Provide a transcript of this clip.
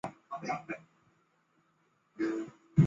她曾冒险于二二八事件中抢救伤患。